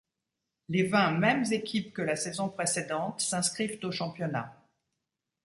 Les vingt mêmes équipes que la saison précédente s'inscrivent au championnat.